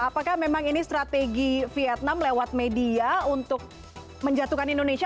apakah memang ini strategi vietnam lewat media untuk menjatuhkan indonesia